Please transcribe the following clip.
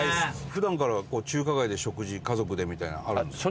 普段から中華街で食事家族でみたいなあるんですか？